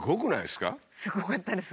すごかったです。